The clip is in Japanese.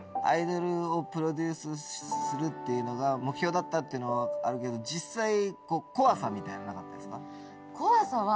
アイドルをプロデュースするっていうのが目標だったっていうのはあるけど実際怖さみたいなのはなかったですか？